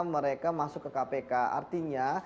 mereka masuk ke kpk artinya